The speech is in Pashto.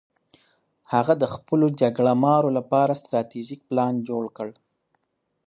هغه د خپلو جګړه مارو لپاره ستراتیژیک پلان جوړ کړ.